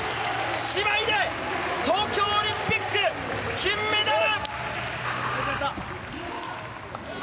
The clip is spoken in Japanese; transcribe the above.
姉妹で東京オリンピック金メダル！